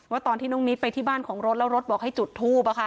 ตอนที่น้องนิดไปที่บ้านของรถแล้วรถบอกให้จุดทูป